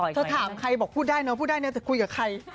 เธอถามใครบอกพูดได้เนอะพูดได้นะแต่คุยกับใคร